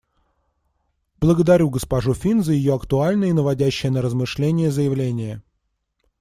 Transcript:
Благодарю госпожу Фин за ее актуальное и наводящее на размышления заявление.